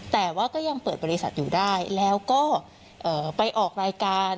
แต่ว่าก็ยังเปิดบริษัทอยู่ได้แล้วก็ไปออกรายการ